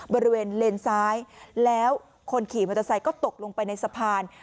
บริเวณเลนซ้ายแล้วคนขี่มอเตอร์ไซค์ก็ตกลงไปในสะพาน